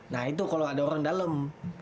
nah itu kalau ada orang dalam